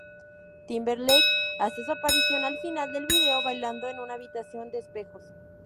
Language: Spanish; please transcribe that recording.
Timberlake hace su aparición al final del video bailando en una habitación de espejos.